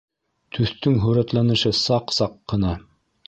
Төҫтөң һүрәтләнеше саҡ-саҡ ҡына